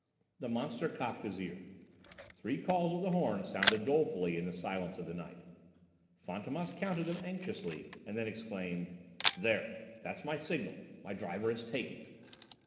The monster cocked his ear. Three calls of the horn sounded dolefully in the silence of the night. Fantômas counted them anxiously and then exclaimed: "There! That's my signal! My driver is taken."